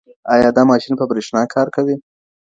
ایا دا ماشین په برېښنا کار کوي؟